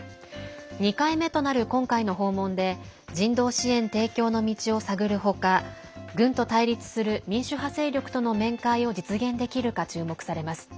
２回目となる今回の訪問で人道支援提供の道を探るほか軍と対立する民主派勢力との面会を実現できるか注目されます。